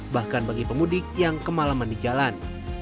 bahkan bagi pemudik yang kemalaman di jalan